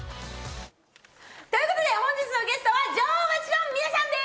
ということで本日のゲストは女王蜂の皆さんです！